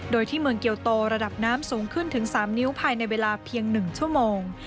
โดยที่เมืองเกียวโตระดับน้ำสูงขึ้นถึง๓นิ้วภายในเวลาเพียง๑ชั่วโมง